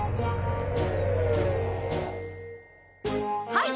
はい！